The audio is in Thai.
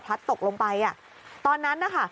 พัดตกลงไปอะตอนนั้นนะค่ะ